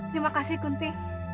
terima kasih kunti